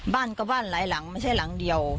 บ้านก็บ้านหลายหลังไม่ใช่หลังเดียว